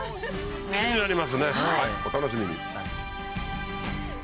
気になりますねお楽しみに。